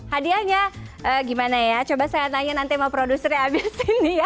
hadiahnya gimana ya coba saya tanya nanti mau produsernya ambil sini ya